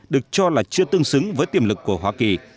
được cho là chưa tương xứng với tiềm lực của hoa kỳ